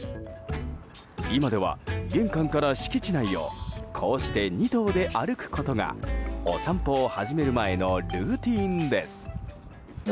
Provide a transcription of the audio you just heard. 今では、玄関から敷地内をこうして２頭で歩くことがお散歩を始める前のルーティンです。